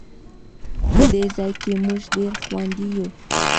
په دې ځای کې مونږ ډېر خوندي یو